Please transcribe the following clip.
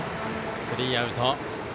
スリーアウト。